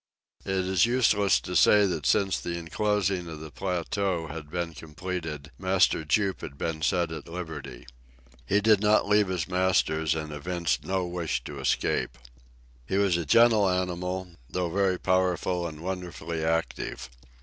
It is useless to say that since the enclosing of the plateau had been completed, Master Jup had been set at liberty. He did not leave his masters, and evinced no wish to escape. He was a gentle animal, though very powerful and wonderfully active.